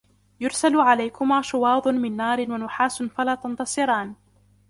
يُرْسَلُ عَلَيْكُمَا شُوَاظٌ مِّن نَّارٍ وَنُحَاسٌ فَلا تَنتَصِرَانِ